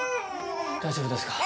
大丈夫ですか？